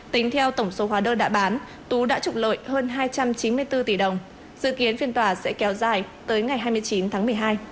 tính theo tổng số hóa đơn đã bán tú đã trục lợi hơn hai trăm chín mươi bốn tỷ đồng dự kiến phiên tòa sẽ kéo dài tới ngày hai mươi chín tháng một mươi hai